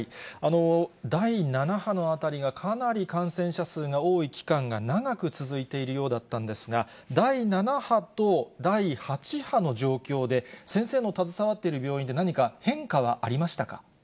第７波のあたりはかなり感染者数が多い期間が長く続いているようだったんですが、第７波と第８波の状況で、先生の携わっている病院で何か変化はありましたか。